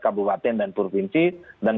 kabupaten dan provinsi dan